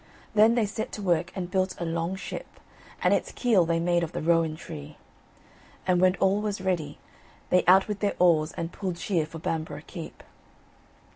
Then they set to work and built a long ship, and its keel they made of the rowan tree. And when all was ready, they out with their oars and pulled sheer for Bamborough Keep.